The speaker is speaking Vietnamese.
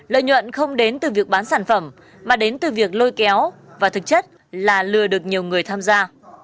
lợi nhuận không đến từ việc bán sản phẩm mà đến từ việc lôi kéo và thực chất là lừa được nhiều người tham gia